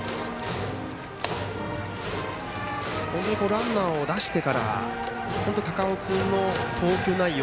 ランナーを出してから高尾君の投球内容